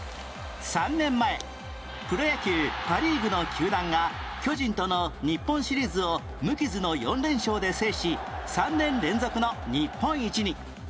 ３年前プロ野球パ・リーグの球団が巨人との日本シリーズを無傷の４連勝で制し３年連続の日本一に